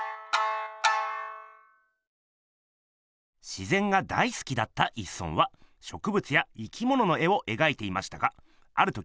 自ぜんが大すきだった一村はしょくぶつや生きものの絵をえがいていましたがある時